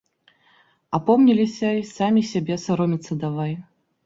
Апомніліся й самі сябе саромецца давай.